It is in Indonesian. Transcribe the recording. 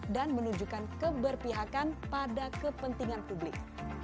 dan menunjukkan keberpihakan pada kepentingan publik